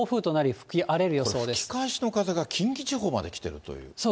吹き返しの風が近畿地方まで来ているという。